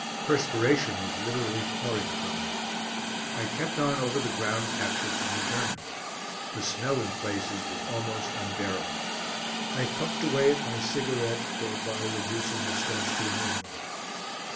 Perspiration was literally pouring from me. I kept on over the ground captured from the Germans. The smell in places was almost unbearable. I puffed away at my cigarette, thereby reducing the stench to a minimum.